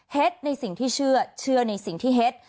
ในสิ่งที่เชื่อเชื่อในสิ่งที่เฮ็ด